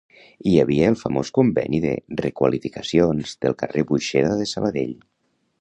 Hi havia el famós conveni de requalificacions del carrer Buxeda de Sabadell